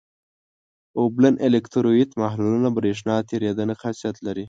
اوبلن الکترولیت محلولونه برېښنا تیریدنه خاصیت لري.